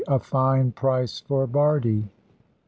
A FINE PRICE FOR BARDIE.